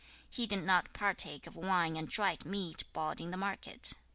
5. He did not partake of wine and dried meat bought in the market.